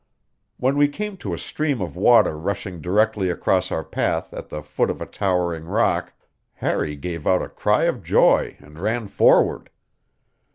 When we came to a stream of water rushing directly across our path at the foot of a towering rock Harry gave a cry of joy and ran forward.